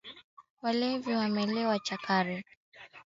walowezi Wa kizungu walikuwa wakatili mno